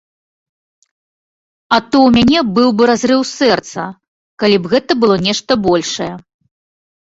А то ў мяне быў бы разрыў сэрца, калі б гэта было нешта большае.